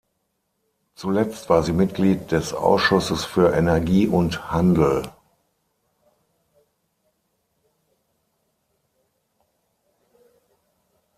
Zuletzt war sie Mitglied des Ausschusses für Energie und Handel.